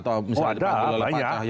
oh ada banyak